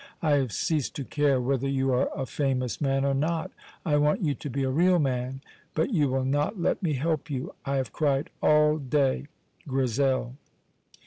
I have ceased to care whether you are a famous man or not. I want you to be a real man. But you will not let me help you. I have cried all day. GRIZEL."